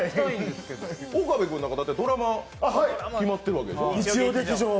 岡部君なんてドラマ、決まってるわけでしょう？